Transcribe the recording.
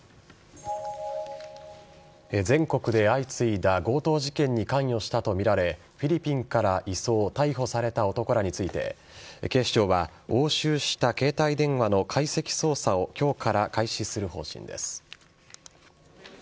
全国で相次いだ強盗事件に関与したとみられフィリピンから移送逮捕された男らについて警視庁は押収した携帯電話の解析捜査を今日から開始する方針です。